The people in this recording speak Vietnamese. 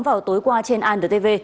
vào tối qua trên i m the tv